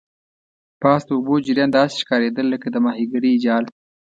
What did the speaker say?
پاس د اوبو جریان داسې ښکاریدل لکه د ماهیګرۍ جال.